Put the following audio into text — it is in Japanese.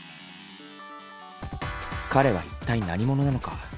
彼は一体何者なのか。